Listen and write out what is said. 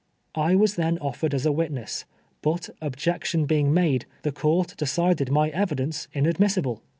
I was then offered as a*Mdtness, but, objection be ing made, the court decided my evidence inadmissible.